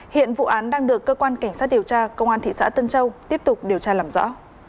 hiện vụ án đang được cơ quan cảnh sát điều tra công an thị xã tân châu tiếp tục điều tra làm rõ